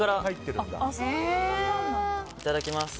いただきます。